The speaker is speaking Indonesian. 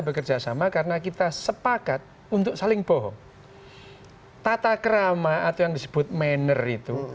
bekerja sama karena kita sepakat untuk saling bohong tata kerama atau yang disebut manner itu